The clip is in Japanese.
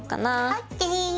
ＯＫ。